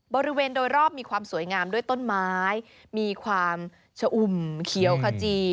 บริเวณโดยรอบมีความสวยงามด้วยต้นไม้มีความชะอุ่มเขียวขจี